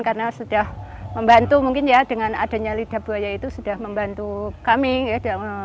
karena sudah membantu mungkin ya dengan adanya lidah buaya itu sudah membantu kami ya